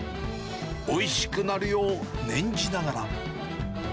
おいしくなるよう念じながら。